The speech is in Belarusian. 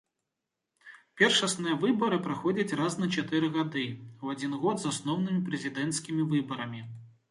Першасныя выбары праходзяць раз на чатыры годы, у адзін год з асноўнымі прэзідэнцкімі выбарамі.